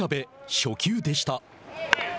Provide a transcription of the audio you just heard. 初球でした。